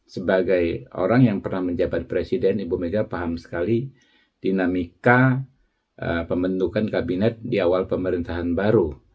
sebagai orang yang pernah menjabat presiden ibu mega paham sekali dinamika pembentukan kabinet di awal pemerintahan baru